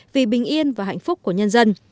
vì bình yên và hạnh phúc của nhân dân